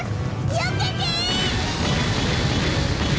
よけて！